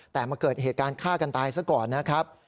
แต่มาเกิดเหตุการณ์ฆ่ากันตายซะก่อนนะครับ